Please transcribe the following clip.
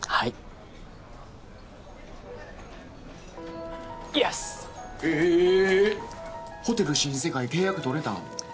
イエス！えホテル新世界契約取れたん？